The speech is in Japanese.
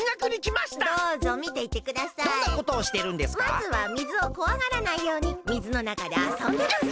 まずはみずをこわがらないようにみずのなかであそんでます。